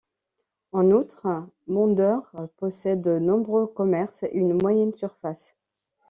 En outre, Mandeure possède de nombreux commerces et une moyenne surface.